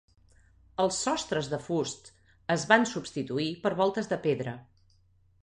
Els sostres de fusts es van substituir per voltes de pedra.